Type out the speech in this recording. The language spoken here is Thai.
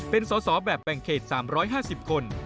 เป็นสอสอแบบแบ่งเขต๓๕๐คน